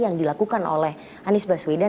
yang dilakukan oleh anies baswedan